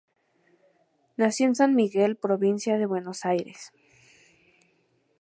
Nació en San Miguel, provincia de Buenos Aires.